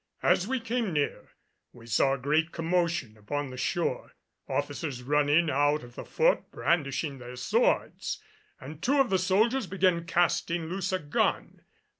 As we came near we saw a great commotion upon the shore, officers running out of the Fort brandishing their swords; and two of the soldiers began casting loose a gun.